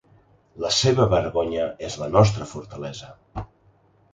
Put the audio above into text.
La seva vergonya és la nostra fortalesa.